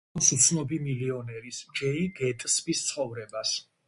ის ასახავს უცნობი მილიონერის, ჯეი გეტსბის ცხოვრებას.